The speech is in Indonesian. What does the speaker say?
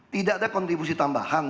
tidak ada kontribusi tambahan